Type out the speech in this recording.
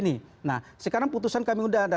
nah sekarang putusan kami sudah ada